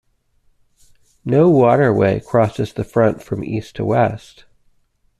No waterway crosses the Front from east to west.